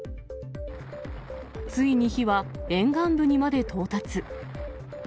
ついに火は沿岸部にまで到達。